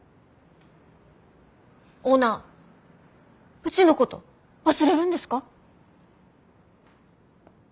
オーナーうちのこと忘れるんですか？